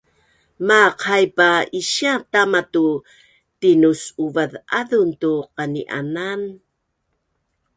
Maaq haip a isia tama ta tinus’uav’azan tu qani’anan